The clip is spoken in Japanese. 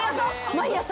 毎朝。